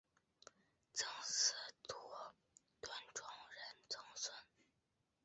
赠司徒郭崇仁曾孙。